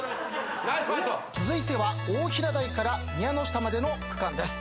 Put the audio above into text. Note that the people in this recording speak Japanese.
続いては大平台から宮ノ下までの区間です。